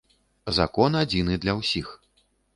Закон адзіны для ўсіх.